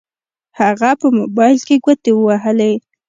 هغه په موبايل کې ګوتې ووهلې.